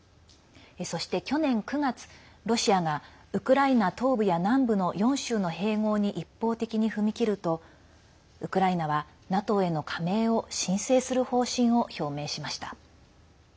そして、去年９月ロシアがウクライナ東部や南部の４州の併合に一方的に踏み切るとウクライナはＮＡＴＯへの加盟を申請する方針を表明しました。